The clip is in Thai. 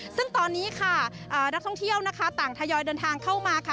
ซึ่งตอนนี้ค่ะนักท่องเที่ยวนะคะต่างทยอยเดินทางเข้ามาค่ะ